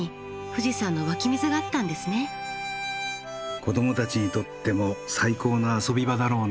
子どもたちにとっても最高の遊び場だろうね。